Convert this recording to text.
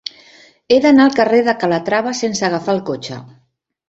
He d'anar al carrer de Calatrava sense agafar el cotxe.